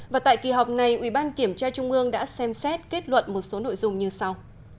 và tại kỳ họp này ủy ban kiểm tra trung ương đã xem xét kết luận một số nội dung như sau